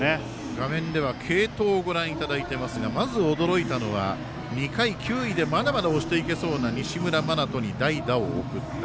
画面では継投をご覧いただいていますがまず、驚いたのは２回、球威でまだまだ押していけそうな西村真人に代打を送った。